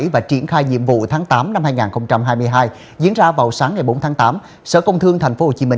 và triển khai nhiệm vụ tháng tám năm hai nghìn hai mươi hai diễn ra vào sáng ngày bốn tháng tám sở công thương tp hcm